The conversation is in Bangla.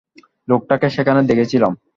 লোকটাকে সেখানে দেখেছিলাম।